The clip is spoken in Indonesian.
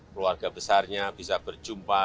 keluarga besarnya bisa berjumpa